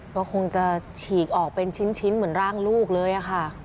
ก็คงจะฉีกออกเป็นชิ้นเหมือนร่างลูกเลยค่ะ